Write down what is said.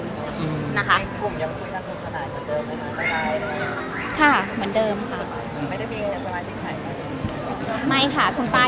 ภูมยังคุยกันอยู่ขนาดเหมือนเดิมหรือเปล่า